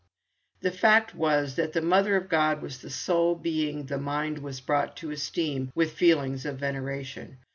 The fact was that the Mother of God was the sole being the mind was brought to esteem with feelings of veneration.